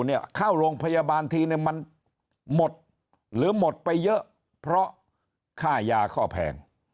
เข้าโรงพยาบาลทีนึงมันหมดหรือหมดไปเยอะเพราะค่ายาก็แพง